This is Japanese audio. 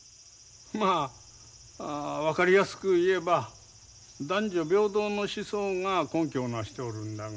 まあ分かりやすく言えば男女平等の思想が根拠をなしておるんだが。